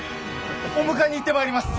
お迎えに行ってまいります！